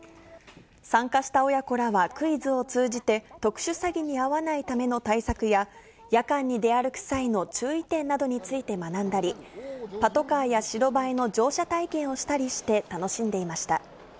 参加した親子らはクイズを通じて、特殊詐欺に遭わないための対策や、夜間に出歩く際の注意点などについて学んだり、パトカーや白バイの乗車体験をしたりして楽しんでいました。